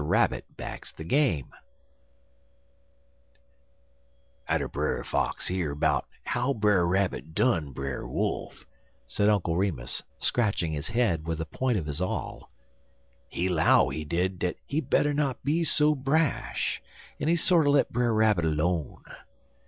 RABBIT BAGS THE GAME "ATTER Brer Fox hear 'bout how Brer Rabbit done Brer Wolf," said Uncle Remus, scratching his head with the point of his awl, 'he 'low, he did, dat he better not be so brash, en he sorter let Brer Rabbit 'lone.